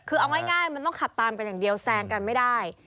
คือเอาง่ายมันต้องขับตามกันอย่างเดียวแซงกันไม่ได้